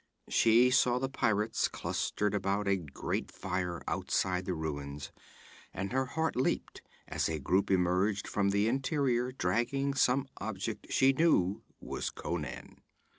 She saw the pirates clustered about a great fire outside the ruins, and her heart leaped as a group emerged from the interior dragging some object she knew was Conan.